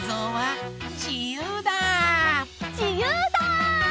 じゆうだ！